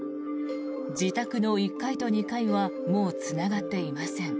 自宅の１階と２階はもうつながっていません。